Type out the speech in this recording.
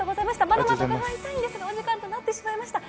まだまだ伺いたいんですが時間になってしまいました。